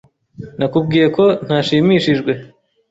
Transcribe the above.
Nakubwiye ko ntashimishijwe.